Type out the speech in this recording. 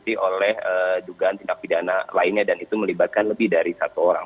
dan diikuti oleh dugaan tindak pidana lainnya dan itu melibatkan lebih dari satu orang